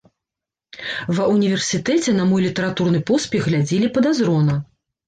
Ва ўніверсітэце на мой літаратурны поспех глядзелі падазрона.